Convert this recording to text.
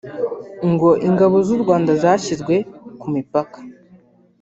ngo ingabo z’u Rwanda zashyizwe ku mipaka